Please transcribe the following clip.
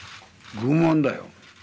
愚問だよ。